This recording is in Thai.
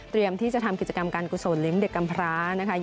เตรียมที่จะทำกิจกรรมการกุศลิ้มเด็กกำพร้า